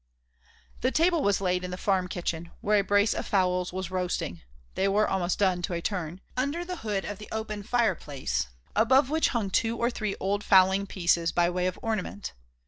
The table was laid in the farm kitchen, where a brace of fowls was roasting, they were almost done to a turn, under the hood of the open fireplace, above which hung two or three old fowling pieces by way of ornament.